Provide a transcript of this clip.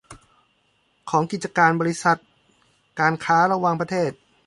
ของกิจการบริษัทการค้าระหว่างประเทศ